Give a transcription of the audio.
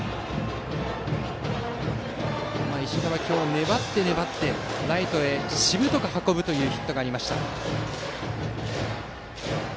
石田は今日粘って粘ってライトへしぶとく運ぶヒットがありました。